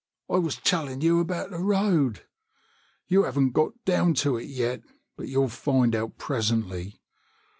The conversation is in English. I was telling you about the road. You haven't got down to it yet, but you'll find out presently.